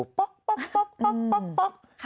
ป๊อก